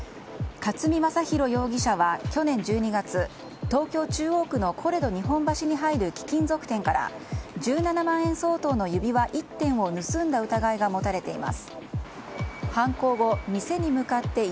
勝見将博容疑者は去年１２月東京・中央区のコレド日本橋に入る貴金属店から１７万円相当の指輪１点を盗んだ疑いが持たれています。